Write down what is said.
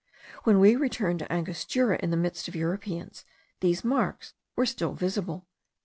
When we returned to Angostura, in the midst of Europeans, these marks were still visible.)